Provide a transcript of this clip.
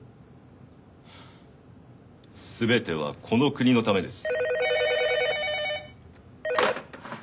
全てはこの国のためです。